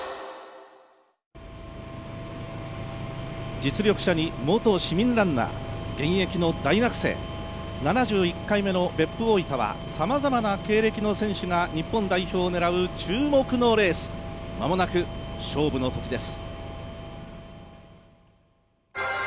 実力者に元市民ランナー現役の大学生、７１回目の別府大分はさまざまな経歴の選手が日本代表を狙う注目のレース、間もなく勝負のときです。